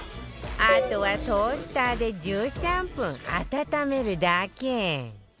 あとはトースターで１３分温めるだけ